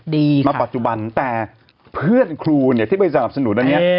มาปัจจุบันแต่เพื่อนครูเนี่ยที่ไปสนับสนุนอันนี้